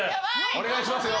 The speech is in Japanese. お願いしますよ